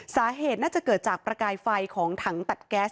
สาเหตุน่าจะเกิดจากประกายไฟของถังตัดแก๊ส